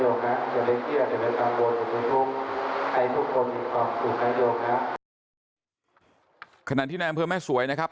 ถือกอกช่วงในช่วงเมืองเมาสั่งผู้หน้ามันแหละไว้ที่มันไม่สวยนะครับ